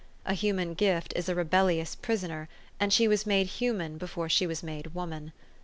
A human gift is a rebellious prisoner, and she was made human before she was made woman.